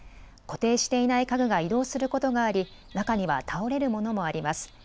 固定していない家具が移動することがあり中には倒れるものもあります。